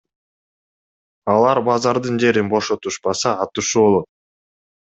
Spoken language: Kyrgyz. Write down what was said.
Алар базардын жерин бошотушпаса атышуу болот.